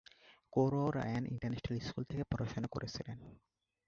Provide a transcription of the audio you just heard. Kaur Ryan international school থেকে পড়াশোনা করেছিলেন।